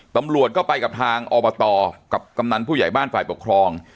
ตำรวจก็ไปกับทางอบตกับกำนันผู้ใหญ่บ้านฝ่ายปกครอง